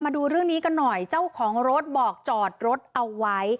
มาดูเรื่องนี้กันหน่อยเจ้าของรถบอกจอดรถเอาไว้